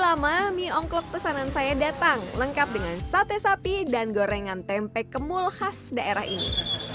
lama mie ongklok pesanan saya datang lengkap dengan sate sapi dan gorengan tempe kemul khas daerah ini